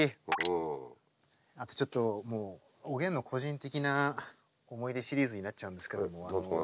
あとちょっとおげんの個人的な思い出シリーズになっちゃうんですけど。